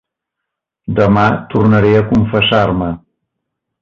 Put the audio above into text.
Demà tornaré a confessar-me.